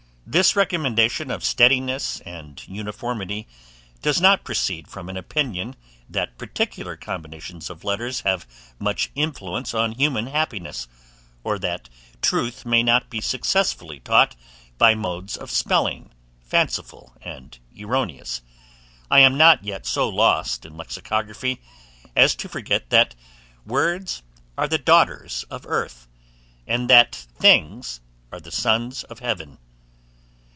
This recommendation of steadiness and uniformity does not proceed from an opinion, that particular combinations of letters have much influence on human happiness; or that truth may not be successfully taught by modes of spelling fanciful And erroneous: I am not yet so lost in lexicography, as to I forget that WORDS ARE THE DAUGHTERS OF EARTH, AND THAT THINGS ARE THE SONS OF HEAVEN.